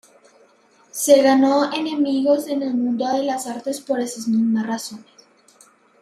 Se ganó enemigos en el mundo de las artes por esas mismas razones.